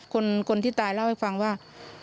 คนที่ตายเล่าให้ฟังว่า